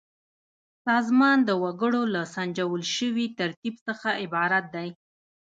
سازمان د وګړو له سنجول شوي ترتیب څخه عبارت دی.